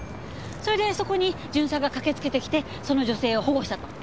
それでそこに巡査が駆けつけてきてその女性を保護したと。